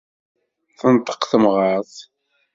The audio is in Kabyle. Tenṭeq temɣart.